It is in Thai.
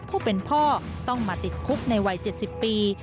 ผู้เป็นพ่อต้องมาติดคุกในวัย๗๐ปี